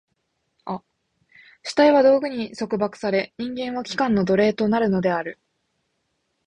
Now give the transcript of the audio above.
主体は道具に束縛され、人間は器官の奴隷となるのである。